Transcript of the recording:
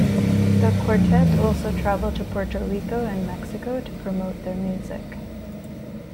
The quartet also traveled to Puerto Rico and Mexico to promote their music.